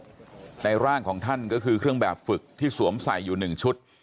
โดยสิ่งที่พบในร่างของท่านก็คือเครื่องแบบฝึกที่สวมใส่อยู่หนึ่งชุด